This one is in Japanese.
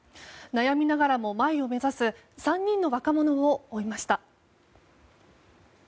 悩みながらも前を目指す３人の若者を追いました。